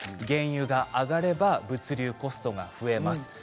原油が上がれば物流コストが増えます。